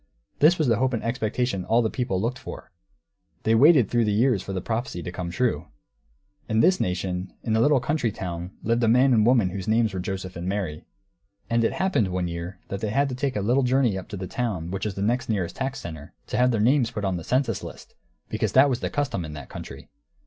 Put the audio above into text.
This was the hope and expectation all the people looked for; they waited through the years for the prophecy to come true. In this nation, in a little country town, lived a man and a woman whose names were Joseph and Mary. And it happened, one year, that they had to take a little journey up to the town which was the nearest tax centre, to have their names put on the census list; because that was the custom in that country.